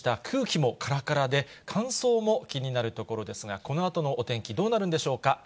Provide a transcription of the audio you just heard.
空気もからからで、乾燥も気になるところですが、このあとのお天気、どうなるんでしょうか。